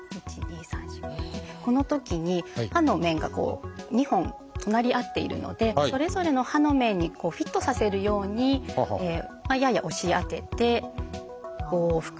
このときに歯の面がこう２本隣り合っているのでそれぞれの歯の面にフィットさせるようにやや押し当てて５往復。